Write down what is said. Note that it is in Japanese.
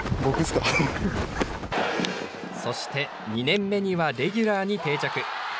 そして２年目にはレギュラーに定着。